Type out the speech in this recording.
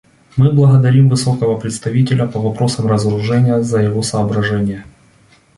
Мы благодарим Высокого представителя по вопросам разоружения за его соображения.